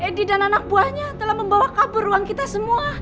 edi dan anak buahnya telah membawa kabur uang kita semua